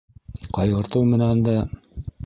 Ҡайғыртыу менән дә...